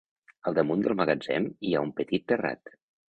Al damunt del magatzem hi ha un petit terrat.